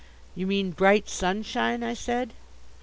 "You mean bright sunshine?" I said.